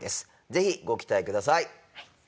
ぜひご期待ください。